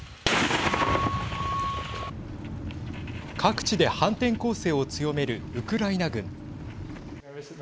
各地で反転攻勢を強めるウクライナ軍。